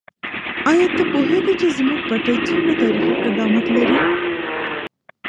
آیا ته پوهېږې چې زموږ پټی څومره تاریخي قدامت لري؟